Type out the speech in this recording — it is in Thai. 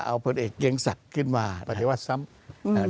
เอาผลเอกเกียงศักดิ์ขึ้นมาปฏิวัติซ้ำ